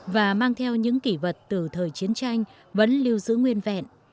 và mang theo những kỷ vật từ thời chiến tranh vẫn lưu giữ nguyên vẹn